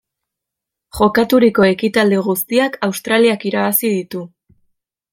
Jokaturiko ekitaldi guztiak Australiak irabazi ditu.